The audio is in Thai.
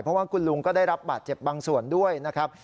เพราะว่าคุณลุงก็ได้รับบาดเจ็บบางส่วนด้วยนะครับ